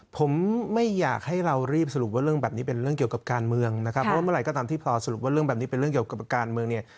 ผมไม่อยากให้เรารีบสรุปว่าเรื่องแบบนี้เป็นเรื่องเกี่ยวกับการเมืองนะครับเพราะว่าเมื่อไหร่ก็ตามที่พอสรุปว่าเรื่องแบบนี้เป็นเรื่องเกี่ยวกับการเมืองเนี่ย